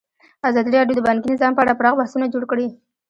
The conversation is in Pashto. ازادي راډیو د بانکي نظام په اړه پراخ بحثونه جوړ کړي.